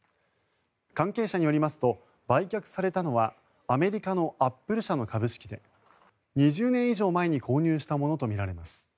関係者によりますと売却されたのはアメリカのアップル社の株式で２０年以上前に購入したものとみられます。